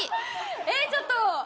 えーっちょっと！